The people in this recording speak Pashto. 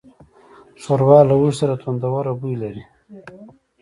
ښوروا له هوږې سره تندهوره بوی لري.